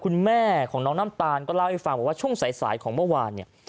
คุณแม่ของน้องน้ำตาลก็เล่าให้ฟังบอกว่าช่วงสายของเมื่อวานเนี่ย